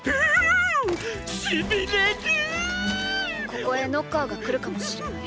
ここへノッカーが来るかもしれない。